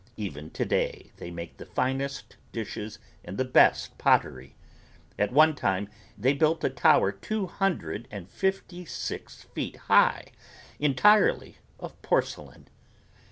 Even today they make the finest dishes and the best pottery. At one time they built a tower two hundred and fifty six feet high entirely of porcelain.